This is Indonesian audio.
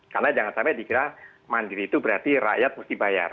karena jangan sampai dikira mandiri itu berarti rakyat mesti bayar